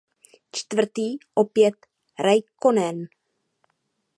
Čtvrtý opět Räikkönen.